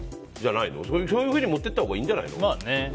そういうふうに持っていたほうがいいんじゃないの。